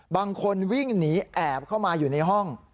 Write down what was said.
บางคนวิ่งหนีแอบเข้ามาอยู่ในห้อง